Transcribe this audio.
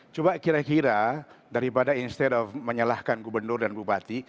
coba kira kira daripada instead of menyalahkan gubernur dan bupati